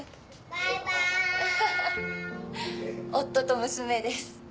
バイバーイ夫と娘です